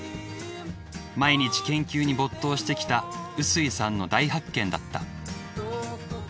毎日研究に没頭してきた臼井さんの大発見だった。